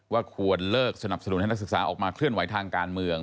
ควรเลิกสนับสนุนให้นักศึกษาออกมาเคลื่อนไหวทางการเมือง